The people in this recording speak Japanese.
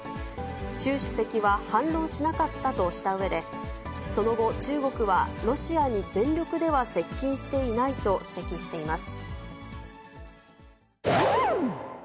習主席は反論しなかったとしたうえで、その後、中国はロシアに全力では接近していないと指摘しています。